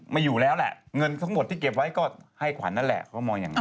ไม่อยู่แล้วแหละเงินทั้งหมดที่เก็บไว้ก็ให้ขวัญนั่นแหละเขามองอย่างนั้น